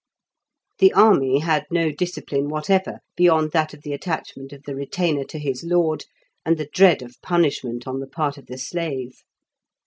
The army had no discipline whatever, beyond that of the attachment of the retainer to his lord, and the dread of punishment on the part of the slave.